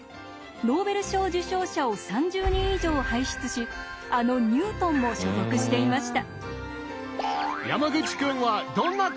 ノーベル賞受賞者を３０人以上輩出しあのニュートンも所属していました。